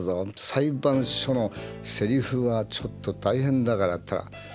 裁判所のセリフはちょっと大変だから。